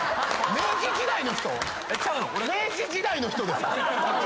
明治時代の人ですか？